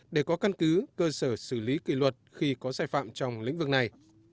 để có căn cứ cơ sở xử lý kỷ luật khi có sai phạm trong lĩnh vực này